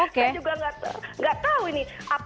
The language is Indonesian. saya juga nggak tahu ini